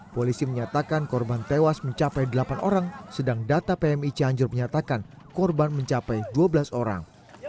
polisi menyatakan korban tewas mencapai delapan orang sedang data pmi cianjur menyatakan korban mencapai dua belas orang